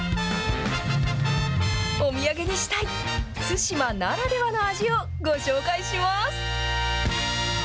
お土産にしたい津島ならではの味をご紹介します。